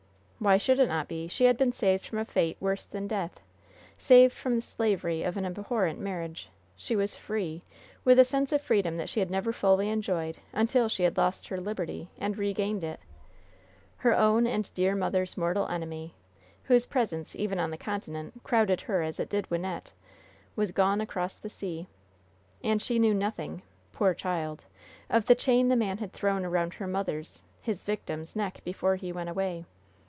Why should it not be? She had been saved from a fate worse than death saved from the slavery of an abhorrent marriage, she was free with a sense of freedom that she had never fully enjoyed until she had lost her liberty and regained it. Her own and her dear mother's mortal enemy, whose presence, even on the continent, crowded her as it did Wynnette, was gone across the sea! And she knew nothing poor child! of the chain the man had thrown around her mother's, his victim's, neck before he went away!